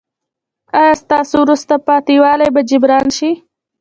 ایا ستاسو وروسته پاتې والی به جبران شي؟